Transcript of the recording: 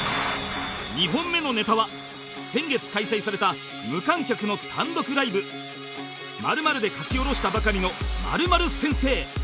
２本目のネタは先月開催された無観客の単独ライブ「○○」で書きおろしたばかりの「○○先生」